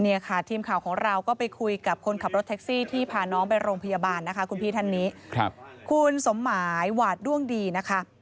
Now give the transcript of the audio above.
เนี้ยค่ะทีมข่าวของเราก็ไปคุยกับคนขับรถแท็กซี่ที่พาน้องไปโรงพยาบาลนะคะคุณพี่ธันเนี้ย